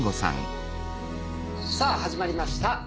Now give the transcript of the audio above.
さあ始まりました。